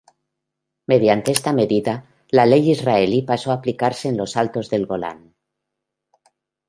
Mediante esta medida, la ley israelí pasó a aplicarse en los Altos del Golán.